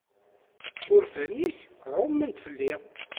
Urfan-ik ɛummen-d fell-i.